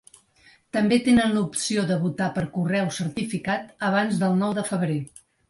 També tenen l’opció de votar per correu certificat abans del nou de febrer.